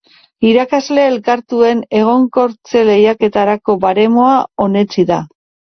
Irakasle elkartuen egonkortze-lehiaketarako baremoa onetsi da.